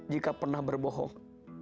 jika pernah berbohong